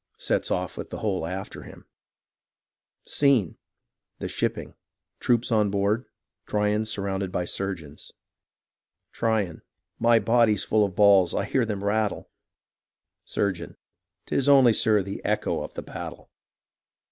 {Sets off with the whole after him'] Scene. — The Shipping [ Troops on board. Tryon surrounded by surgeons] Tryon My body's full of balls — I hear them rattle. Surgeon 'Tis only, sir, the echo of the battle.